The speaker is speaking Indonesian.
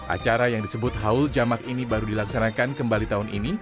acara yang disebut haul jamak ini baru dilaksanakan kembali tahun ini